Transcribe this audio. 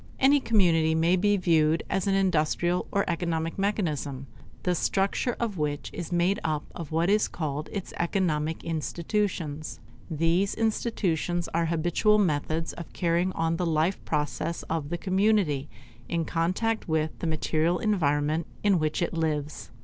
Any community may be viewed as an industrial or economic mechanism, the structure of which is made up of what is called its economic institutions. These institutions are habitual methods of carrying on the life process of the community in contact with the material environment in which it lives.